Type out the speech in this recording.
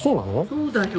そうだよ。